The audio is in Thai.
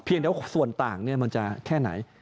เดี๋ยวส่วนต่างมันจะแค่ไหน